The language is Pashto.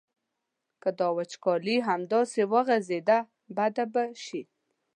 که دا وچکالي همداسې وغځېده بده به شي.